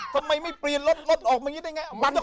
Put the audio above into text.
ทำไมไม่เปลี่ยนรถรถออกมาอย่างนี้ได้ไง